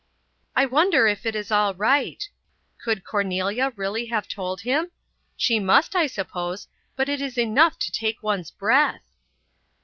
"I wonder if it is all right. Could Cornelia really have told him? She must, I suppose, but it is enough to take one's breath."